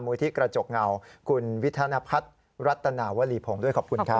ที่กระจกเงาคุณวิธนพัฒน์รัตนาวลีพงศ์ด้วยขอบคุณครับ